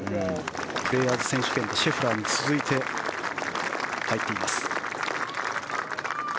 プレーヤーズ選手権シェフラーに続いて入っています。